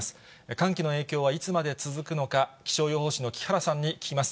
寒気の影響はいつまで続くのか、気象予報士の木原さんに聞きます。